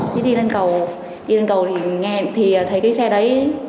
thì đi lên cầu đi lên cầu thì nghe thấy cái xe đấy